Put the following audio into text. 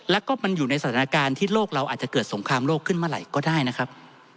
แล้วก็มันอยู่ในสถานการณ์ที่โลกเราอาจจะเกิดสงครามโลกขึ้นเมื่อไหร่ก็ได้นะครับ